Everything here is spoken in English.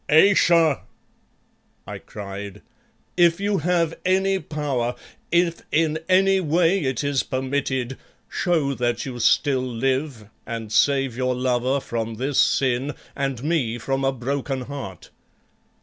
"Ayesha!" I cried, "if you have any power, if in any way it is permitted, show that you still live, and save your lover from this sin and me from a broken heart.